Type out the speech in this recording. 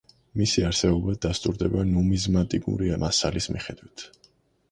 მისი არსებობა დასტურდება ნუმიზმატიკური მასალის მიხედვით.